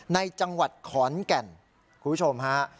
ในจังหวัดขอนแก่นคุณผู้ชมฮะ